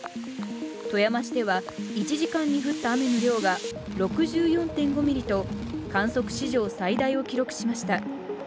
富山市では１時間に降った雨の量が６４．５ミリと観測史上最大を記録しました。